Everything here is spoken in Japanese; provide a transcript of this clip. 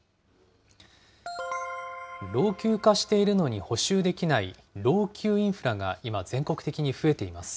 老朽化しているのに補修できない老朽インフラが今、全国的に増えています。